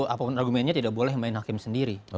apapun argumennya tidak boleh main hakim sendiri